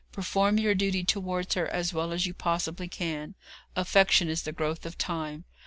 Perform your duty towards her as well as you possibly can. Affection is the growth of time.